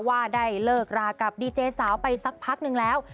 ว่าได้เลิกรากับดีเจสาวไปสักพักนึงแล้ว